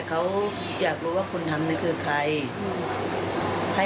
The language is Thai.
กระดาษที่